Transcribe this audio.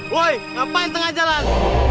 woy ngapain tengah jalan